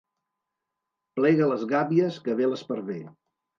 Plega les gàbies que ve l'esparver.